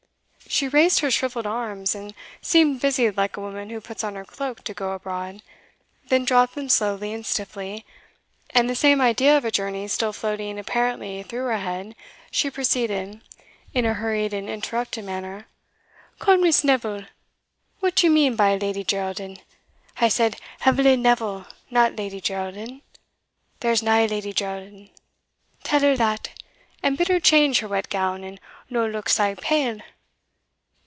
She raised her shrivelled arms, and seemed busied like a woman who puts on her cloak to go abroad, then dropped them slowly and stiffly; and the same idea of a journey still floating apparently through her head, she proceeded, in a hurried and interrupted manner, "Call Miss Neville What do you mean by Lady Geraldin? I said Eveline Neville, not Lady Geraldin there's no Lady Geraldin; tell her that, and bid her change her wet gown, and no' look sae pale.